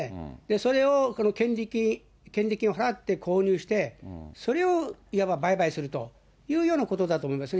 それを権利金を払って購入して、それをいわば売買するというようなことだと思いますね。